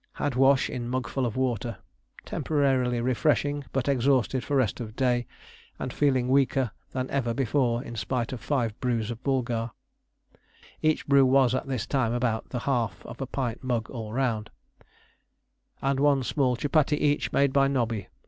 Had wash in mugful of water: temporarily refreshing, but exhausted for rest of day, and feeling weaker than ever before in spite of five brews of boulgar" (each brew was at this time about the half of a pint mug all round) "and one small chupattie each, made by Nobby.